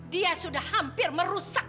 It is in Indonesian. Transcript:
dia sudah hampir merusak